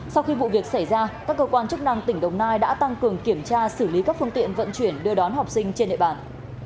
sau khi vụ việc xảy ra các cơ quan chức năng tỉnh đồng nai đã tăng cường kiểm tra xử lý các phương tiện vận chuyển đưa đón học sinh trên địa bàn